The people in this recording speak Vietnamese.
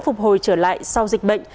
phục hồi trở lại sau dịch bệnh